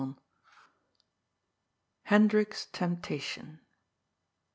hekdbik's temptation.